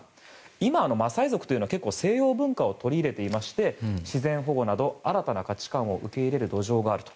今、マサイ族は西洋文化を取り入れていまして自然保護など新たな価値観を受け入れる土壌があると。